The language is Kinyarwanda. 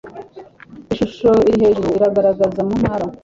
ishusho iri hejuru iragaragaza mu ntara